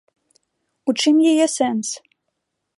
У чым яе сэнс?